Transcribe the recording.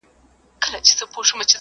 د ټولنيزو اړيکو کچه به نوره هم پراخه سي.